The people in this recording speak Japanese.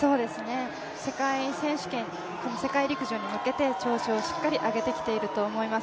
世界選手権、世界陸上に向けて調子をしっかり上げてきていると思います。